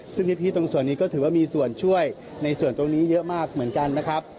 ซึ่งพี่ตรงส่วนนี้ก็ถือว่ามีส่วนช่วยในส่วนตรงนี้เยอะมากเหมือนกันนะครับ